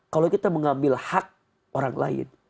kalau kita mengambil hak orang lain